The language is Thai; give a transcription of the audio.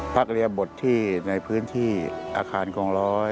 เรียบทที่ในพื้นที่อาคารกองร้อย